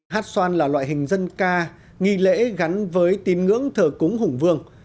hát xoan là loại hình dân ca nghi lễ gắn với tín ngưỡng thờ cúng hùng vương